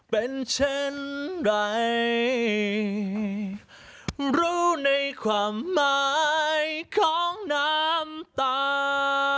เป็นเช่นไรรู้ในความหมายของน้ำตา